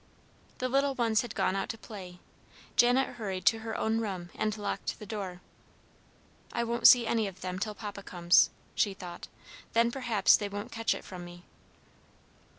The little ones had gone out to play. Janet hurried to her own room, and locked the door. "I won't see any of them till Papa comes," she thought. "Then perhaps they won't catch it from me."